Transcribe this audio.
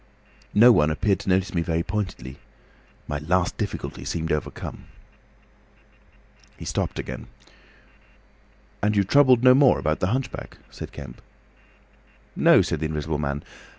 No one appeared to notice me very pointedly. My last difficulty seemed overcome." He stopped again. "And you troubled no more about the hunchback?" said Kemp. "No," said the Invisible Man.